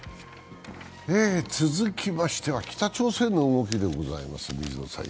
続きましては北朝鮮の動きです。